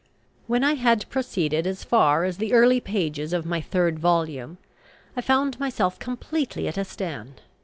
When I had proceeded as far as the early pages of my third volume, I found myself completely at a stand.